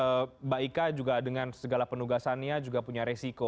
mbak ika juga dengan segala penugasannya juga punya resiko